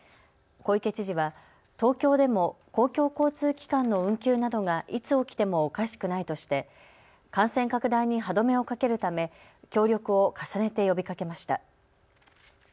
小池知事は東京でも公共交通機関の運休などがいつ起きてもおかしくないとして感染拡大に歯止めをかけるため協力を重ねて呼びかけました。